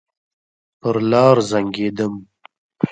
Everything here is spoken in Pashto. پر لار زنګېدم.